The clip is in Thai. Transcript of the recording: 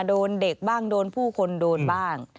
โดนเด็กบ้างโดนผู้คนโดนบ้าง